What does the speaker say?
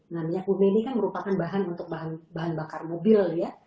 nah minyak kuning ini kan merupakan bahan untuk bahan bakar mobil ya